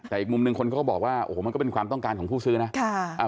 แต่อีกมุมหนึ่งคนเขาก็บอกว่าโอ้โหมันก็เป็นความต้องการของผู้ซื้อนะ